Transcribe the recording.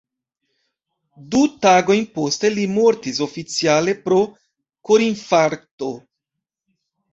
Du tagojn poste li mortis, oficiale pro korinfarkto.